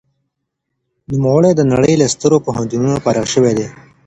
نوموړي د نړۍ له سترو پوهنتونونو فارغ شوی دی.